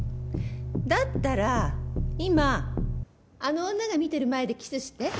だったら今あの女が見てる前でキスして。